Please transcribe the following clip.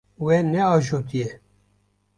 We neajotiye.